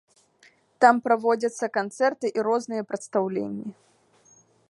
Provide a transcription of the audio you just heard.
Там праводзяцца канцэрты і розныя прадстаўленні.